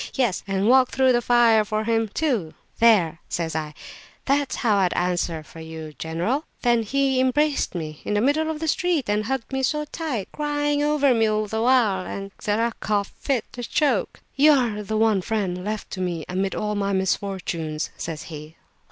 Yes, and walk through the fire for him, too." There,' says I, 'that's how I'd answer for you, general!' Then he embraced me, in the middle of the street, and hugged me so tight (crying over me all the while) that I coughed fit to choke! 'You are the one friend left to me amid all my misfortunes,' says he.